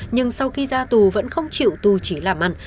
nhưng sau khi ra tù vẫn không chịu tù chỉ làm ăn